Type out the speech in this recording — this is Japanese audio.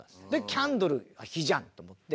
「キャンドル」火じゃんと思って。